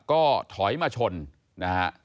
ก็ถอยมาชนนะฮะ